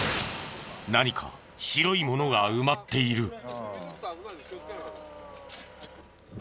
何か白いものが埋まっている。